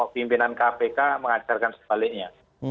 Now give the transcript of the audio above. pimpinan kpk mengajarkan sebaliknya